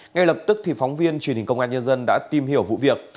ngay lập tức thì phóng viên truyền hình công an nhân dân đã tìm hiểu vụ việc